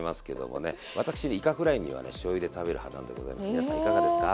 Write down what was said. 皆さんいかがですか？